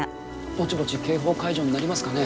ぼちぼち警報解除になりますかね？